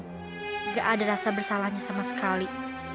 aku gak ada rasa bersalahnya sama sekali